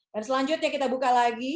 dan selanjutnya kita buka lagi